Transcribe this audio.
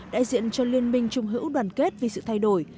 đại diện cho liên minh trung hữu đoàn kết vì sự thay đổi